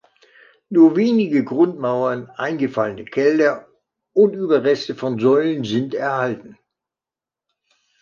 Nur wenige Grundmauern, eingefallene Keller und Überreste von Säulen sind erhalten.